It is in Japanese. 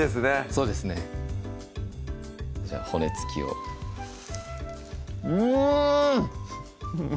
そうですねじゃあ骨付きをうん！